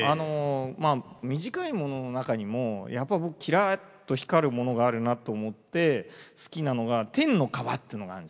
まあ短いものの中にもやっぱ僕キラッと光るものがあるなと思って好きなのが「貂の皮」っていうのがあるんですよ。